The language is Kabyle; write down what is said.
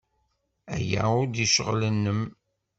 Aya ur d ccɣel-nnem.